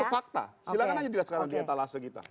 itu fakta silahkan aja dilihat sekarang di etalase kita